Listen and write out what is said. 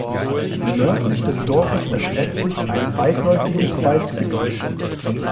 Nördlich des Dorfes erstreckt sich ein weitläufiges Waldgebiet.